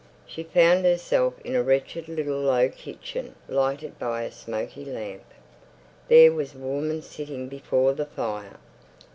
She found herself in a wretched little low kitchen, lighted by a smoky lamp. There was a woman sitting before the fire.